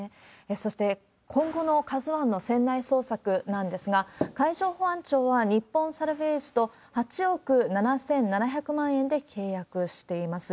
そして、今後のＫＡＺＵＩの船内捜索なんですが、海上保安庁は、日本サルヴェージと８億７７００万円で契約しています。